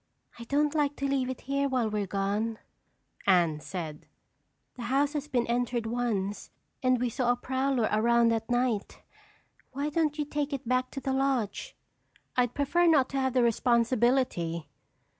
"I don't like to leave it here while we're gone," Anne said. "The house has been entered once and we saw a prowler around at night. Why don't you take it back to the lodge?" "I'd prefer not to have the responsibility."